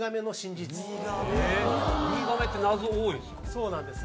そうなんです。